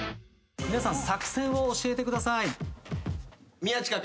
皆さん作戦を教えてください。